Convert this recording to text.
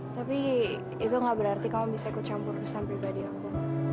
tapi itu gak berarti kamu bisa ikut campur urusan pribadi aku